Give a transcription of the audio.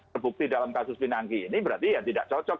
terbukti dalam kasus pinangki ini berarti ya tidak cocok